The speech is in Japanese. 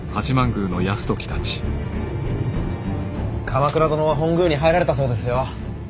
鎌倉殿は本宮に入られたそうですよ。